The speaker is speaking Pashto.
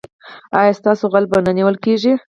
ایا ستاسو غل به نه نیول کیږي؟